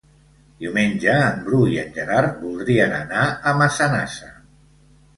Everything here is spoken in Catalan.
Diumenge en Bru i en Gerard voldrien anar a Massanassa.